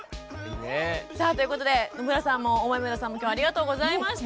さあということで野村さんも大豆生田さんも今日はありがとうございました。